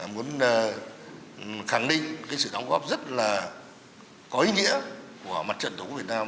muốn khẳng định cái sự đóng góp rất là có ý nghĩa của mặt trận tổ quốc việt nam